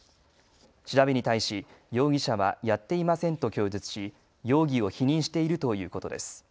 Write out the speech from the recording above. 調べに対し容疑者はやっていませんと供述し容疑を否認しているということです。